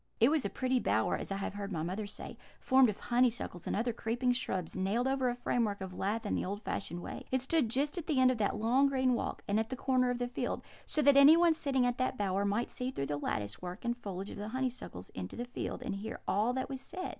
It was a pretty bower, as I have heard my mother say, formed of honeysuckles and other creeping shrubs nailed over a framework of lath in the old fashioned way. It stood just at the end of that long green walk, and at the corner of the field; so that anyone sitting in the bower might see through the lattice work and foliage of the honeysuckles into the field, and hear all that was said.